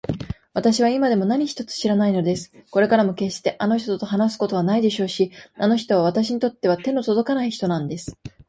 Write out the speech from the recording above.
わたしは今でも何一つ知らないのです。これからもけっしてあの人と話すことはないでしょうし、あの人はわたしにとっては手のとどかない人なんです。